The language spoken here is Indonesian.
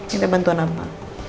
kita bantuan apa